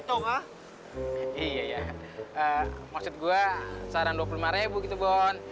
sekitaran dua puluh lima ribu gitu bon